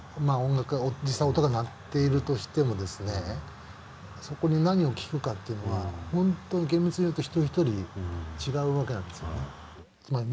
実際音が鳴っているとしてもそこに何を聴くかっていうのはほんとに厳密に言うと一人一人違うわけなんですよね。